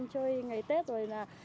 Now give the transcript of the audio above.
chơi ngày tết rồi